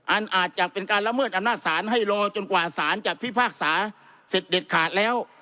อาจจะเป็นการละเมิดอำนาจศาลให้รอจนกว่าสารจะพิพากษาเสร็จเด็ดขาดแล้ว